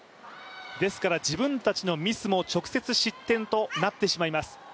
ですから、自分たちのミスも直接、失点となってしまいます。